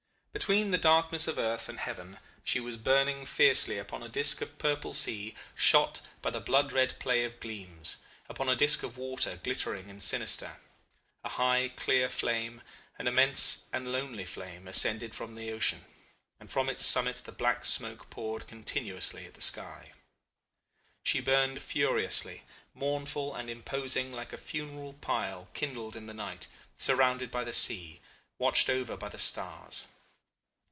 "Between the darkness of earth and heaven she was burning fiercely upon a disc of purple sea shot by the blood red play of gleams; upon a disc of water glittering and sinister. A high, clear flame, an immense and lonely flame, ascended from the ocean, and from its summit the black smoke poured continuously at the sky. She burned furiously, mournful and imposing like a funeral pile kindled in the night, surrounded by the sea, watched over by the stars.